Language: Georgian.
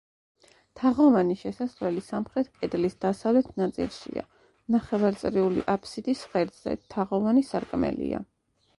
თაღოვანი შესასვლელი სამხრეთ კედლის დასავლეთ ნაწილშია, ნახევარწრიული აფსიდის ღერძზე თაღოვანი სარკმელია.